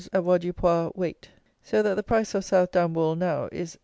avoirdupois weight; so that the price of Southdown wool now is 8_d.